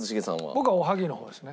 僕はおはぎの方ですね。